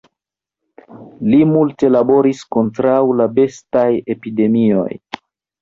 Li multe laboris kontraŭ la bestaj epidemioj.